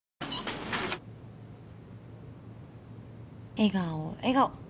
笑顔笑顔。